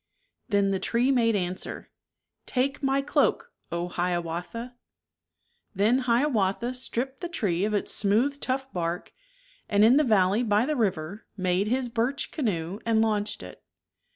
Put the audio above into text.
Then the tree made answer. Take my cloak, O Hiawatha! Then Hiawatha stripped the tree of its smooth tough bark and " in the valley by the river," made his birch canoe and launched it.